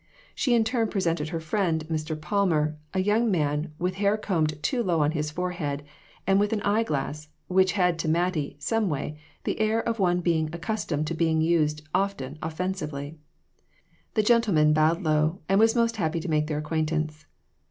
She in turn presented her friend, Mr. Palmer, a young man with hair combed too low on his forehead, and with an eye glass, which had to Mattie, some way, the air of one being accustomed to being used often offensively. The gentleman bowed low, and was most happy to make their acquaintance.